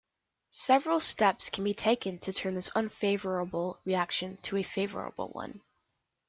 Several steps can be taken to turn this unfavourable reaction into a favourable one.